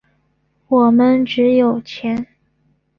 我们只有钱。